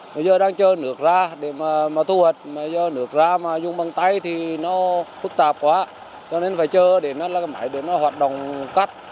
bây giờ đang chờ nước ra để mà thu hoạch bây giờ nước ra mà dùng bằng tay thì nó phức tạp quá cho nên phải chờ để nó hoạt động cắt